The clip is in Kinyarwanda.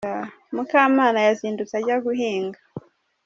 Mukamana yazindutse ajya guhinga.